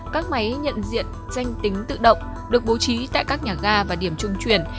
các máy nhận diện danh tính tự động được bố trí tại các nhà ga và điểm trung chuyển